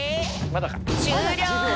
まだか。